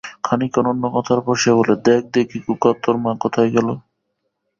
খানিকক্ষণ অন্য কথার পর সে বলে, দ্যাখ দেখি খোকা তোর মা কোথায় গেল।